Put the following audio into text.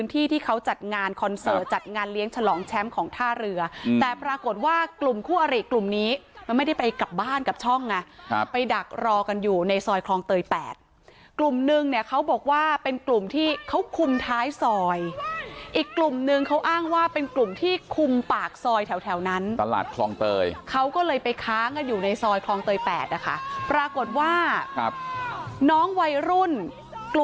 แต่ปรากฏว่ากลุ่มคู่อริกลุ่มนี้มันไม่ได้ไปกลับบ้านกับช่องน่ะครับไปดักรอกันอยู่ในซอยคลองเตยแปดกลุ่มหนึ่งเนี้ยเขาบอกว่าเป็นกลุ่มที่เขาคุมท้ายซอยอีกกลุ่มหนึ่งเขาอ้างว่าเป็นกลุ่มที่คุมปากซอยแถวแถวนั้นตลาดคลองเตยเขาก็เลยไปค้างกันอยู่ในซอยคลองเตยแปดนะคะปรากฏว่าครับน้องวัยรุ่นก